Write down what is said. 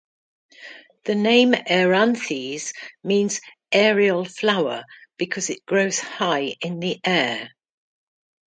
The name "aeranthes" means 'aerial flower', because it grows high in the air.